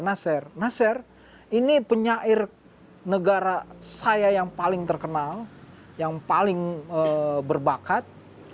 dia menjelaskan kepada nasser nasser ini penyair negara saya yang paling terkenal yang paling berbakat